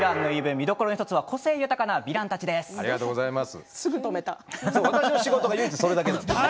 見どころの１つは個性豊かなヴィランたちです。とおっしゃっています。